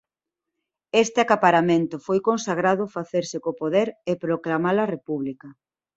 Este acaparamento foi consagrado ao facerse co poder e proclamar a república.